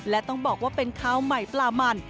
และต้องบอกว่าเป็นข้าวใหม่ปลามัน